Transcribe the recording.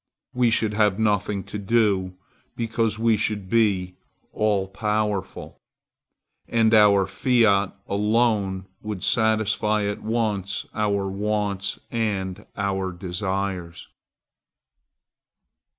We should have nothing to do, because we should be all powerful, and our fiat alone would satisfy at once our wants and our desires.